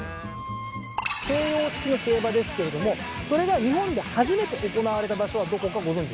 西洋式の競馬ですけれどもそれが日本で初めて行われた場所はどこかご存じですか？